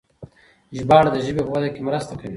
ژباړه د ژبې په وده کې مرسته کوي.